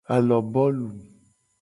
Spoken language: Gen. Alobolu.